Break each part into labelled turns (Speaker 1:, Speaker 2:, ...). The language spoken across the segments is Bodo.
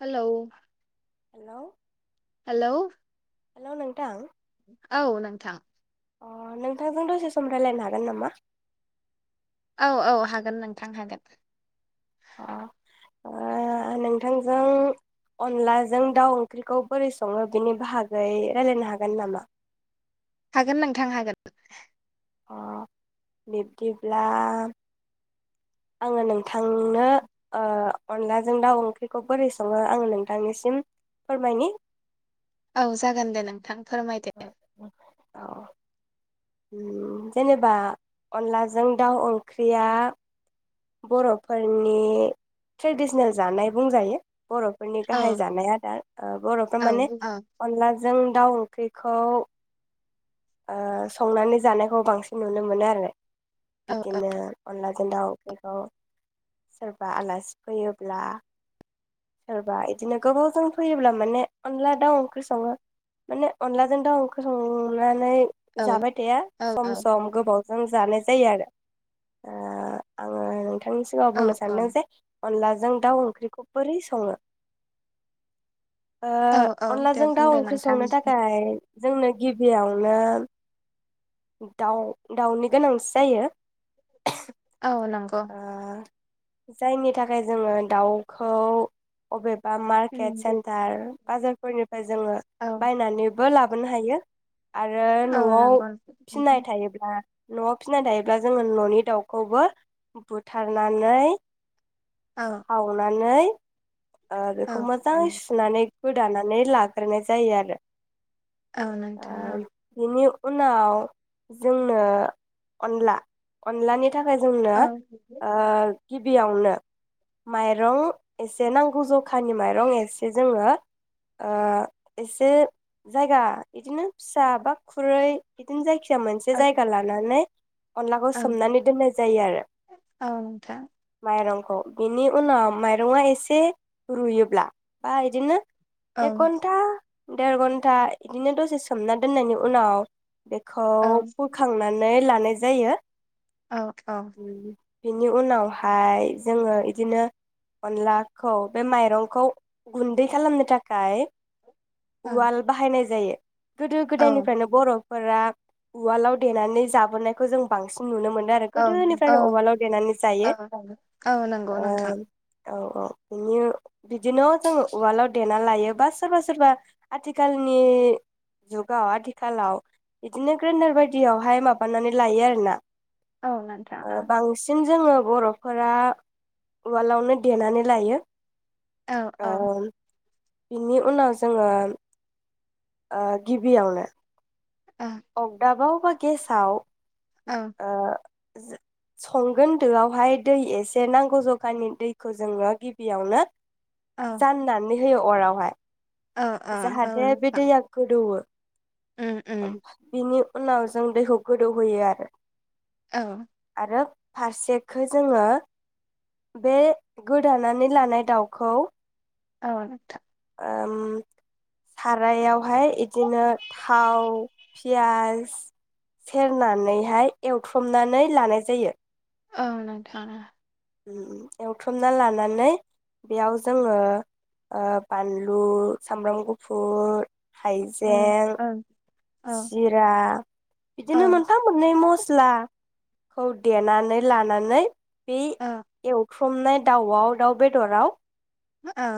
Speaker 1: हेलौ
Speaker 2: हेल'
Speaker 1: हेल'
Speaker 2: हेल' नोंथां
Speaker 1: औ नोंथां
Speaker 2: अ नोंथांजों दसे सम रायलायनो हागोन नामा
Speaker 1: औ औ हागोन नोंथां हागोन
Speaker 2: अ नोंथांजों अनलाजों दाउ ओंख्रिखौ बोरै सङो बिनि बाहागै रायलायनो हागोन नामा?
Speaker 1: हागोन नोंथां हागोन
Speaker 2: अ बिब्दिब्ला आङो नोंथांनो ओ अनलाजों दाउ ओंख्रिखौ बोरै सङो आङो नोंथांनिसिम फोरमायनि
Speaker 1: औ जागोन दे नोंथां फोरमाय दो
Speaker 2: औ जेनेबा अनलाजों दाउ ओंख्रिया बर'फोरनि ट्रेडिसनेल जानाय बुंजायो बर'फोरनि
Speaker 1: औ
Speaker 2: गाहाय जानाय आदार बर'फ्रा
Speaker 1: औ
Speaker 2: माने
Speaker 1: औ
Speaker 2: अनलाजों दाउ ओंख्रिखौ ओ संनानै जानायखौ बांसिन नुनो मोनो आरो
Speaker 1: औ
Speaker 2: बिदिनो अनलाजों दाव बेगखौ सोरबा आलासि फैयोब्ला। सोरबा बिदिनो गोबावजों फैयोब्ला माने अनला दाउ ओंख्रि सङो माने अनलाजों दाउ ओंख्रि संनानै।
Speaker 1: औ
Speaker 2: जाबाय थाया
Speaker 1: औ
Speaker 2: सम सम गोबावजों जानाय। जायो आरो ओ आङो नोंथांनि सिगाङाव
Speaker 1: औ
Speaker 2: बुंनो सानदों जे अनलाजों दाउ ओंख्रिखौ बोरै सङो? ओ
Speaker 1: औ औ दे
Speaker 2: अनलाजों दाउ
Speaker 1: बुंदो
Speaker 2: ओंख्रि
Speaker 1: नोंथां
Speaker 2: संनो थाखाय जोंनो गिबियावनो दाउ दाउनि गोनांथि‌ जायो।
Speaker 1: औ नंगौ।
Speaker 2: ओ जायनि थाखाय जोङो दाउखौ अबे बा मार्केट सेन्टार बाजारफोरनिफ्राय जोङो
Speaker 1: औ
Speaker 2: बायनानै। बो लाबोनो हायो। आरो
Speaker 1: औ
Speaker 2: न'आव
Speaker 1: नंगौ
Speaker 2: फिनाय थायोब्ला न'आव फिसिनानै दायोब्ला जोङो न'नि दाउखौबो बुथारनानै
Speaker 1: औ
Speaker 2: सावनानै ओ
Speaker 1: औ
Speaker 2: बेखौ मोजाङै सुनानै गोदानानै लाग्रोनाय जायो आरो
Speaker 1: ओ नोंथां औ।
Speaker 2: बिनि उनाव जोंनो अनला अनलानि नि थाखाय जोंनो
Speaker 1: औ
Speaker 2: ओ गिबियावनो माइरं एसे एसे नांगौ जखानि माइरं एसे जोङो ओ एसे जायगा बिदिनो फिसा बा खुरै बिदिनो जायखि जया मोनसे
Speaker 1: औ
Speaker 2: जायगा लानानै अनलाखौ
Speaker 1: औ
Speaker 2: सोमनानै दोननाय जायो आरो
Speaker 1: औ नोंथां
Speaker 2: माइरंखौ अ बिनि उनाव माइरंआ एसे रुयोब्ला बा इदिनो
Speaker 1: औ
Speaker 2: एखघन्था देर घन्टा इदिनो दसे सोमना दोननायनि उनाव बे खौ
Speaker 1: औ
Speaker 2: बोखांनानै नानै लानाय जायो
Speaker 1: औ औ
Speaker 2: बिनि उनावहाय जोङो इदिनो अनला खौ बे माइरंखौ गुन्दै खालामनो थाखाय उवाल बाहायनाय जायो गोदो
Speaker 1: औ
Speaker 2: गोदायनिफ्रायनो बर' फोरा उवालाव देनानै जाबोनायखौ जों बांसिन नुनो मोनदों आरो
Speaker 1: औ
Speaker 2: गोदोनिफ्रायनो उवालाव देनानै
Speaker 1: औ
Speaker 2: जायो
Speaker 1: औ नंगौ नोंथां
Speaker 2: औ औ बिनि बिदिनो जोङो उवालाव देना लायो बा सोरबा सोरबा आथिखालनि जुगाव आथिखालाव बिदिनो ग्रेन्दार बायदियावहाय माबानानै लायो आरोना
Speaker 1: औ नोंथां औ
Speaker 2: ओ बांसिन जोङो बर'फोरा उवालावनो देनानै लायो
Speaker 1: औ
Speaker 2: ओ
Speaker 1: औ
Speaker 2: बिनि उनाव जोङो ओ गिबियावनो
Speaker 1: औ
Speaker 2: अगदाबाव बा गेसाव
Speaker 1: औ
Speaker 2: आ संगोन दोआवहाय दै एसे नांगौ जगानि दैखौ जोङो गिबियावनो
Speaker 1: औ
Speaker 2: जाननानै होयो अरावहाय
Speaker 1: औ औ औ
Speaker 2: जाहाथे बे
Speaker 1: नोंथां
Speaker 2: दैया गोदौवो
Speaker 1: उम उम
Speaker 2: बिनि उनाव जों दैखौ गोदौहोयो आरो
Speaker 1: औ
Speaker 2: आरो फारसेखौ जोङो बे गोदानानै लानाय दाउखौ
Speaker 1: औ नोंथां
Speaker 2: ओम सारायावहाय बिदिनो थाव पियास सेरनानैहाय एवथ्रमनानै लानाय जायो
Speaker 1: औ नोंथां
Speaker 2: एवथ्रमना लानानै बेयाव जोङो बानलु सामब्राम गुफुर
Speaker 1: उम
Speaker 2: हाइजें
Speaker 1: ओं औ
Speaker 2: जिरा बिदिनो
Speaker 1: औ
Speaker 2: मोनफा मोननै मस्ला खौ देनानै लानानै बे
Speaker 1: औ
Speaker 2: एव एवफ्रामनाय दाउआव दाउ बेदराव
Speaker 1: ओ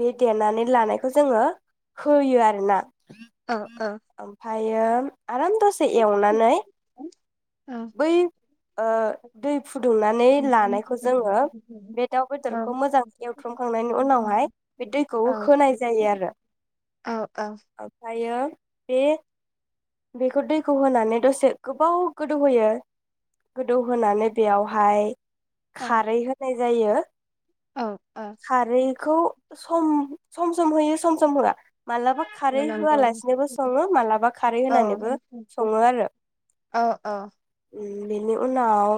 Speaker 2: बे देनानै लानायखौ जोङो होयो आरोना
Speaker 1: ओ ओ
Speaker 2: ओमफायो आराम दसे एवनानै बै ओ दै फुदुंनानै लानायखौ जोङो बे दाउ बेदरखौ मोजाङै एवथ्रमखांनायनि उनावहाय बे दैखौ होनाय जायो आरो ओमफ्रायो बे बेखौ दैखौ होनानै दसे गोबाव गोदौहोयो गोदौहोनानै बेयावहाय खारै होनाय जायो
Speaker 1: औ औ
Speaker 2: खारै खौ सम सम सम होयो सम सम होआ मालाबा
Speaker 1: औ
Speaker 2: खारै
Speaker 1: नंगौ
Speaker 2: होआलासिनोबो सङो मालाबा
Speaker 1: औ
Speaker 2: होनानैबो
Speaker 1: [unintelligible]
Speaker 2: सङो आरो
Speaker 1: औ औ
Speaker 2: बेनि उनाव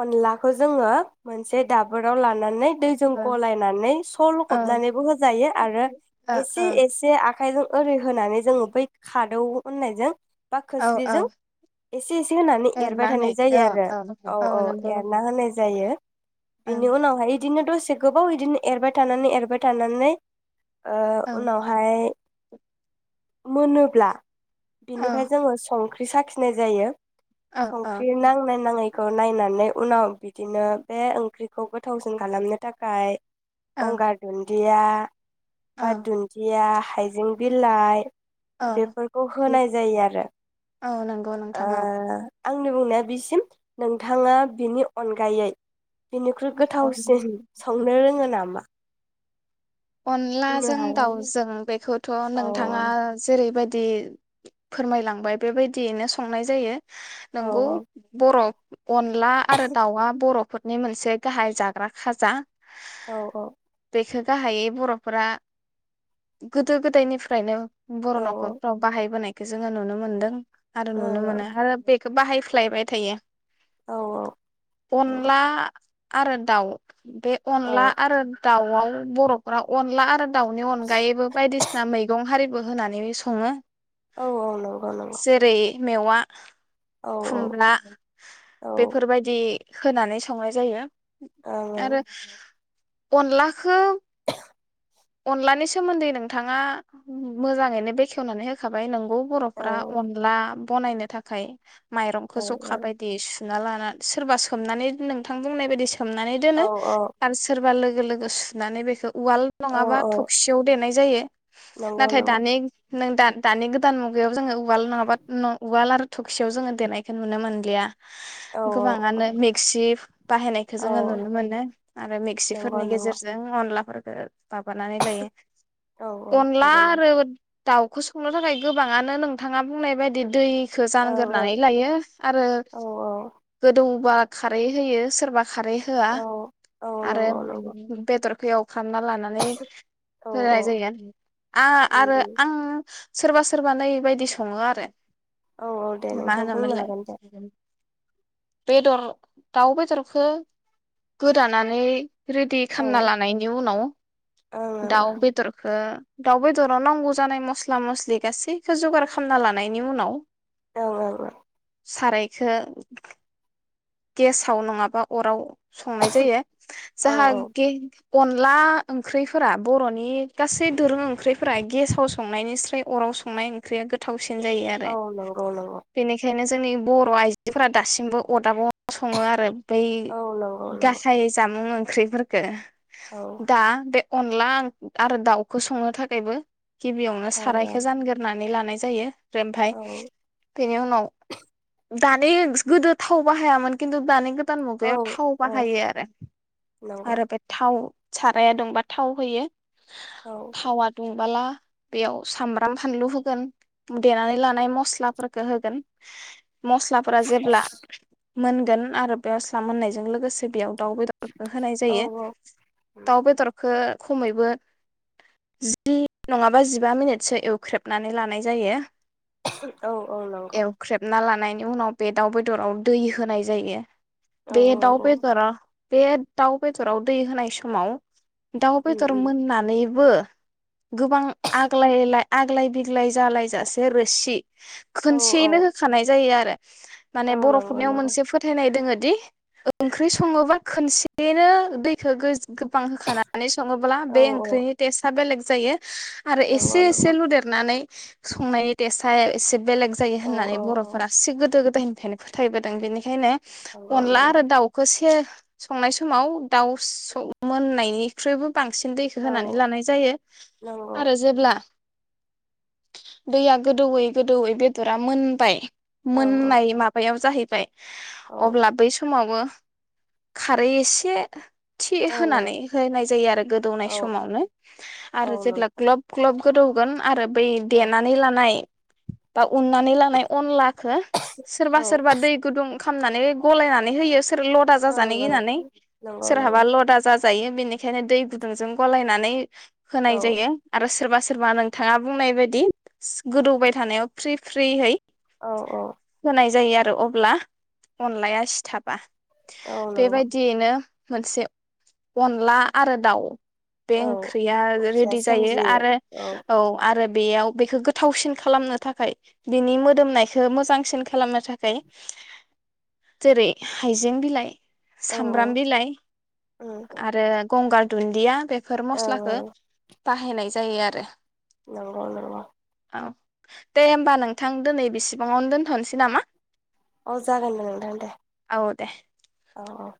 Speaker 2: अनलाखौ जोङो मोनसे दाबोराव लानानै दैजों
Speaker 1: औ
Speaker 2: गलायनानै स' लखबनानैबो होजायो आरो
Speaker 1: ओ
Speaker 2: एसे एसे आखायजों ओरै होनानै जोङो बै खादौ होननायजों बा
Speaker 1: ओ औ
Speaker 2: खोस्लिजों
Speaker 1: औ
Speaker 2: एसे एसे होनानै एरबाय
Speaker 1: एरनानै
Speaker 2: थानाय जायो
Speaker 1: औ
Speaker 2: आरो औ औ
Speaker 1: नंगौ
Speaker 2: एरना होनाय जायो
Speaker 1: ओं
Speaker 2: बिनि उनाव हाय दिनो दसे गोबाव बिदिनो एरबाय थानानै एरबाय थानानै ओ
Speaker 1: ओं
Speaker 2: उनावहाय मोनोब्ला
Speaker 1: औ
Speaker 2: बिनिफ्राय जोङो सं ख्रि साखिनाय जायो
Speaker 1: औ औ
Speaker 2: संख्रि नांनाय नाङै खौ नायनानै उनाव बिदिनो बे ओंख्रिखौ गोथावसिन खालामनो थाखाय
Speaker 1: औ
Speaker 2: गंगार दुन दिया
Speaker 1: औ
Speaker 2: बा दुनदिया हाइजें बिलाइ
Speaker 1: औ
Speaker 2: बेफोरखौ होनाय जायो आरो
Speaker 1: औ नंगौ नोंथां
Speaker 2: ओ आंनि बुंनाया बिसिम नोंथाङा बिनि अनगायै बेनिख्रुइ
Speaker 1: औ
Speaker 2: गोथावसिन संनो रोङो नामा? बुंनो
Speaker 1: अनलाजों
Speaker 2: हागोन
Speaker 1: दाउजों बेखौथ'
Speaker 2: औ
Speaker 1: नोंथाङा जेरैबाय दि फोरमायलांबाय बेबायदियैनो संनाय जायो
Speaker 2: औ
Speaker 1: नोंगौ बर' अनला आरो दाउआ बर' फोरनि मोनसे गाहाय जाग्रा खाजा
Speaker 2: औ औ
Speaker 1: सो गाहायै बर'फोरा गोदो गोदायनिफ्रायनो बर'
Speaker 2: औ
Speaker 1: न'खरफ्राव बाहायबोनाय खो जोङो नुनो मोन्दों आरो
Speaker 2: औ
Speaker 1: नुनो मोनो आरो बेग खो बाहायफ्लायबाय थायो
Speaker 2: औ औ
Speaker 1: अनला आरो दाउ बे
Speaker 2: औ
Speaker 1: अनला आरो दाव आव बर' फोरा अनला आरो दाउनि अनगायैबो बायदिसिना मैगं हारि बो होनानै सङो
Speaker 2: औ औ नंगौ नंगौ
Speaker 1: जेरै मेवा
Speaker 2: औ
Speaker 1: खुमब्रा
Speaker 2: औ ओं
Speaker 1: बेफोरबायदि होनानै संनाय जायो
Speaker 2: ओं
Speaker 1: आरो अनलाखौ अनलानि सोमोन्दै नोंथाङा मोजाङैनो बेखेवनानै होखाबाय नोंगौ
Speaker 2: औ
Speaker 1: बर'फ्रा
Speaker 2: ओं
Speaker 1: अनला बनायनो थाखाय माइरंखौ
Speaker 2: ओं
Speaker 1: ज' खाबायदि सु सुना लाना सोरबा सोमनानै नोंथां बुंनाय बायदि स सोमनानै दोनो
Speaker 2: औ
Speaker 1: आरो सोरबा लोगो लोगो लोगो सुनानै बेखौ उवाल
Speaker 2: औ
Speaker 1: नङाबा
Speaker 2: औ
Speaker 1: थबसियाव देनाय जायो
Speaker 2: नंगौ
Speaker 1: नाथाय
Speaker 2: नंगौ
Speaker 1: दानि नों दा-दानि गोदान मुगायाव जोङो उवाल नङाबा उवाल आरो थखियाव जोङो देनायखौ नुनो मोनलिया
Speaker 2: औ
Speaker 1: गोबाङानो मिक्सि बाहायनायखौ
Speaker 2: औ
Speaker 1: जोङो नुनो मोनो आरो
Speaker 2: नंगौ
Speaker 1: मिक्सिफोरनि
Speaker 2: नंगौ
Speaker 1: गेजेरजों अनला [unintelligible] माबानानै लायो
Speaker 2: औ
Speaker 1: अनला
Speaker 2: नंगौ
Speaker 1: आरो
Speaker 2: नोंथां
Speaker 1: दाउखौ संनो थाखाय गोबाङानो नोंथाङा बुंनाय बायदि दै खो
Speaker 2: ओं
Speaker 1: जानागोरनानै लायो आरो
Speaker 2: ओं औ
Speaker 1: गोदौबा खारै होयो सोरबा खारै होआ
Speaker 2: औ औ
Speaker 1: आरो
Speaker 2: नंगौ नंगौ
Speaker 1: बेदर खौ एवफ्रामना ला
Speaker 2: औ
Speaker 1: होनाय जायो आ
Speaker 2: उम
Speaker 1: आरो आं सोरबा सोरबा नैबायदि सङो आरो
Speaker 2: औ औ दे
Speaker 1: मा
Speaker 2: नोंथां बुंनो
Speaker 1: होनोमोनलाय
Speaker 2: हागोन दे
Speaker 1: बेदर दाउ बेदरखौ गोदानानै रेडि
Speaker 2: औ
Speaker 1: खामना
Speaker 2: ओं
Speaker 1: लानायनि उनाव दाउ
Speaker 2: ओं
Speaker 1: बेदरखौ दाउ बेदराव नांगौ जानाय मस्ला मस्लि गासैखौ जगार खालामना लानायनि उनाव
Speaker 2: ओं ओं ओं
Speaker 1: सारायखो गेसाव नङाबा अराव संनाय जायो
Speaker 2: ओं
Speaker 1: जाहा
Speaker 2: ओं औ
Speaker 1: गे अनला ओंख्रिफोरा बर'नि गासै दोरों ओंख्रिफोरा गेसाव संनायनिस्राय अराव संनाय ओंख्रिया गोथावसिन जायो आरो
Speaker 2: औ औ नंगौ नंगौ
Speaker 1: बेनिखायनो जोंनि बर' आइजोफोरा दासिमबो अरदाबाव सङो आरो बै
Speaker 2: औ नंगौ नंगौ
Speaker 1: गासै जामुं ओं ओंख्रिफोरखौ
Speaker 2: औ ओं
Speaker 1: दा बे अनला आरो दाउखौ संनो थाखायबो गिबियावनो
Speaker 2: ओं
Speaker 1: सारायखौ जानगोरनानै लानाय जायो ओमफ्राय
Speaker 2: औ
Speaker 1: बेनि उनाव दानि गोदो थाव बाहायामोन मोन खिनथु दानि गोदान मुगायाव थाव
Speaker 2: औ औ
Speaker 1: बाहायो आरो
Speaker 2: नंगौ
Speaker 1: आरो बे थाव साराया दुंबा थाव होयो थावा दुंबोला बेयाव सामब्राम फानलु होगोन देनानै लानाय मस्लाफोरखौ होगोन। मस्लाफोरा जेब्ला मोनगोन आरो बेयाव मोननायजों लोगोसे बेयाव दाउ बेदरखौ होनाय
Speaker 2: औ
Speaker 1: जायो
Speaker 2: औ
Speaker 1: दाउ बेदरखौ खमैबो जि नङाबा जिबा मिनिटसो एवख्रेबनानै लानाय जायो।
Speaker 2: औ औ नंगौ
Speaker 1: एवख्रेबना लानाय बेनि उनाव बे दाउ बेदराव दै होनाय जायो
Speaker 2: औ
Speaker 1: बे दाउ
Speaker 2: औ
Speaker 1: बेदरा बे दाउ बेदराव दै होनाय समाव दाउ
Speaker 2: उम
Speaker 1: बेदर
Speaker 2: उम
Speaker 1: मोननानैबो गोबां आग्लायाय आग्लाय बिग्लाय जालायजासे रोसि
Speaker 2: औ औ
Speaker 1: खनसेयैनो होखानाय जायो आरो
Speaker 2: औ
Speaker 1: माने बरफ
Speaker 2: नंगौ
Speaker 1: बर'फोरनियाव
Speaker 2: नंगौ
Speaker 1: मोनसे फोथायनाय दङदि ओंख्रि सङोबा खोनसेनो दैखौ गोबां होखानानै सङोब्ला
Speaker 2: औ
Speaker 1: बे
Speaker 2: औ
Speaker 1: ओंख्रिनि टेस्टा बेलेग जायो आरो
Speaker 2: नंगौ
Speaker 1: एसे एसे
Speaker 2: नंगौ
Speaker 1: लुदेरनानै संनाय टेसाय एसे बेलेग जायो
Speaker 2: औ
Speaker 1: होननानै
Speaker 2: औ औ
Speaker 1: बर'फोरा एसे गोदायनि [unintelligible] फोथायबोदों बेनिखायनो
Speaker 2: नंगौ
Speaker 1: अनला
Speaker 2: नंगौ
Speaker 1: आरो दाउखौ से संनाय समाव दाउ सौ मोननायनिख्रुइबो बांसिन दैखौ होनानै
Speaker 2: औ
Speaker 1: लानाय जायो
Speaker 2: नंगौ
Speaker 1: आरो जेब्ला दैया गोदौयै गोदौयै बेदरा मोनबाय
Speaker 2: औ
Speaker 1: मोननाय माब याव जाहैबाय अब्ला बै समावबो खारै एसे थि
Speaker 2: औ
Speaker 1: होनानै होनाय जायो आरो गोदौनाय
Speaker 2: औ ओं ओं
Speaker 1: समावनो
Speaker 2: औ
Speaker 1: आरो जेब्ला ग्लब ग्लब गोदौगोन आरो बै
Speaker 2: नंगौ औ
Speaker 1: देनानै लानाय दा उननानै लानाय अनलाखौ
Speaker 2: [unintelligible]
Speaker 1: सोरबा सोरबा दै गुदुं खामनानै गलायनानै होयो सोर लदा जाजानो
Speaker 2: ओं नंगौ
Speaker 1: गिनानै
Speaker 2: नंगौ
Speaker 1: सोरहाबा लदा जाजा जायो बेनिखायनो दै गुदुंजों गलायनानै
Speaker 2: औ
Speaker 1: होनाय जायो हो सोरबा सोरबा नोंथाङा बुंनाय बायदि सि गोदौबाय थानायाव फ्रि फ्रियै
Speaker 2: औ औ।
Speaker 1: होनाय जायो आरो अब्ला अनलाया सिथाबा।
Speaker 2: औ
Speaker 1: बे
Speaker 2: नंगौ
Speaker 1: बायदियैनो मोनसे अनला आरो दाउ बे
Speaker 2: औ
Speaker 1: ओंख्रिया
Speaker 2: दुखुया
Speaker 1: रेडि जायो
Speaker 2: सोमजियो
Speaker 1: आरो औ आरो बेयाव बेखौ गोथावसिन खालामनो थाखाय बिनि मोदोमनायखौ मोजांसिनखै खालामनो थाखाय जेरै हाइजें बिलाइ
Speaker 2: औ
Speaker 1: सामब्राम बिलाइ
Speaker 2: उम ओं
Speaker 1: आरो गंगार दुनदिया खो बेफोर मस्लाखो
Speaker 2: ओं
Speaker 1: बाहायनाय जायो आरो
Speaker 2: औ औ नंगौ
Speaker 1: औ दे होमबा नोंथां दिनै बेसेबाङावनो दोनथ'नोसै। नामा?
Speaker 2: अ जागोन नोंथां दे
Speaker 1: औ दे
Speaker 2: औ